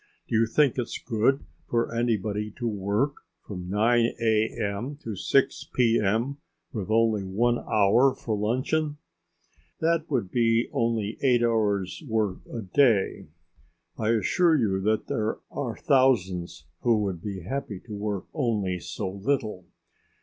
Do you think it's good for anybody to work from 9 a.m. to 6 p.m., with only one hour for luncheon?" "That would be only eight hours work a day! I assure you that there are thousands who would be happy to work only so little.